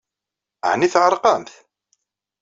Ɛni tɛerqemt?